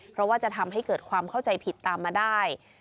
เพราะว่าจะทำให้เกิดความเข้าใจผิดตามมาได้